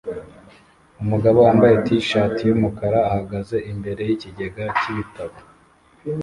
Umugabo wambaye t-shati yumukara ahagaze imbere yikigega cyibitabo